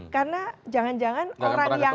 karena jangan jangan orang yang